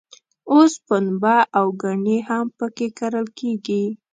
اوس پنبه او ګني هم په کې کرل کېږي.